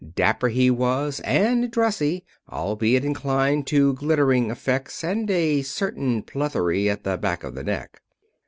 Dapper he was, and dressy, albeit inclined to glittering effects and a certain plethory at the back of the neck.